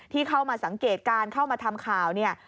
ที่เข้ามาสังเกตการเข้ามาทำข่าวเนี่ย